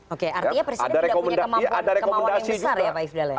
oke artinya presiden tidak punya kemauan yang besar ya pak ifdal ya